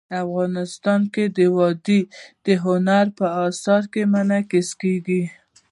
افغانستان کې وادي د هنر په اثار کې منعکس کېږي.